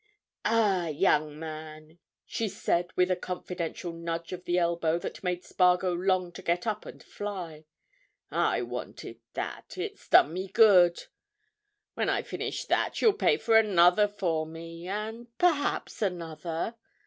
"Ah, young man!" she said with a confidential nudge of the elbow that made Spargo long to get up and fly. "I wanted that! It's done me good. When I've finished that, you'll pay for another for me—and perhaps another?